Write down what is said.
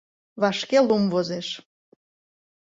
— Вашке лум возеш...